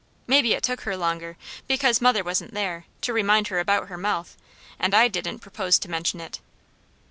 Maybe it took her longer, because mother wasn't there, to remind her about her mouth, and I didn't propose to mention it.